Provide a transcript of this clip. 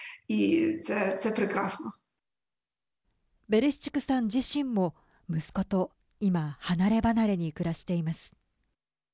ベレシチュクさん自身も息子と今、離れ離れに暮らしています。